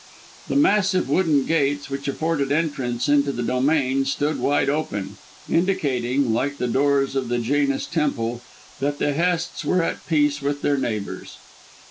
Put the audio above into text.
The massive wooden gates, which afforded entrance into the domain, stood wide open, indicating, like the doors of the Janus temple, that the Hests were at peace with their neighbours.